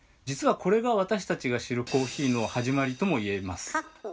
じつはこれが私たちが知るコーヒーの始まりとも言えます。